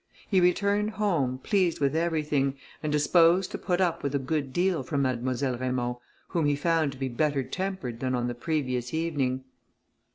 He returned home, pleased with everything, and disposed to put up with a good deal from Mademoiselle Raymond, whom he found to be better tempered than on the previous evening.